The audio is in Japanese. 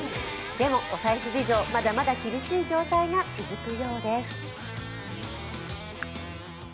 でも、お財布事情、まだまだ厳しい状態が続くようです。